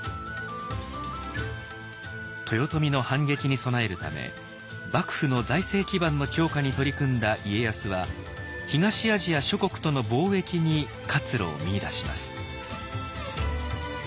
豊臣の反撃に備えるため幕府の財政基盤の強化に取り組んだ家康は東アジア諸国との貿易に活路を見いだします。